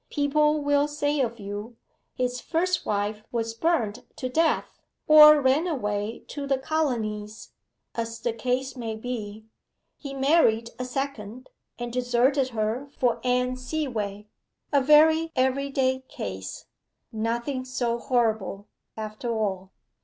People will say of you, "His first wife was burnt to death" (or "ran away to the Colonies," as the case may be); "He married a second, and deserted her for Anne Seaway." A very everyday case nothing so horrible, after all.